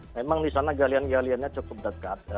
memang di sana galian galiannya cukup dekat